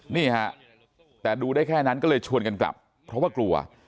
นี่ฮะแต่ดูได้แค่นั้นก็เลยชวนกันกลับเพราะว่ากลัว